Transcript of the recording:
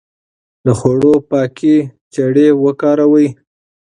د خوړو پاکې چړې وکاروئ.